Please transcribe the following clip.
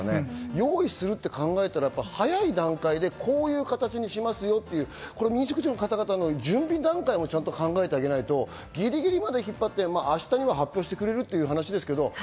用意するって考えたら早い段階でこういう形にしますよっていう準備段階もちゃんと考えてあげないと、ぎりぎりまで引っ張って明日には発表してくれるって話ですけれど。